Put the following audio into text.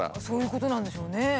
そういうことなんでしょうね。